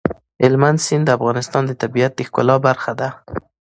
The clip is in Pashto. هلمند سیند د افغانستان د طبیعت د ښکلا برخه ده.